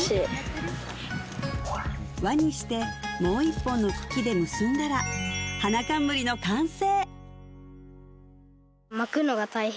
輪にしてもう一本の茎で結んだら花冠の完成！